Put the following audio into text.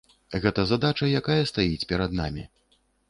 Гэта задача, якая стаіць перад намі.